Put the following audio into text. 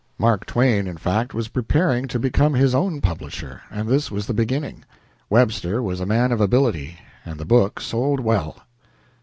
Mark Twain, in fact, was preparing to become his own publisher, and this was the beginning. Webster was a man of ability, and the book sold well.